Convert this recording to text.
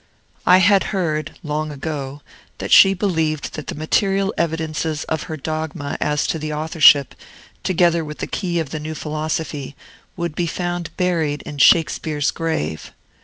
I had heard, long ago, that she believed that the material evidences of her dogma as to the authorship, together with the key of the new philosophy, would be found buried in Shakespeare's grave.